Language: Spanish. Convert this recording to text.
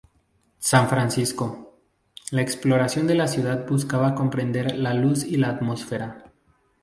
San Francisco: La exploración de la ciudad buscaba comprender la luz y la atmósfera.